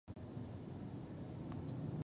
غیاث الدین بلبن سخت قوانین جوړ کړل.